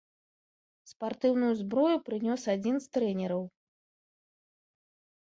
Спартыўную зброю прынёс адзін з трэнераў.